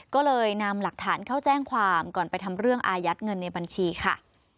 ก็เลยนำหลักฐานเข้าแจ้งความก่อนไปทำเรื่องอายัดเงินในบัญชีค่ะ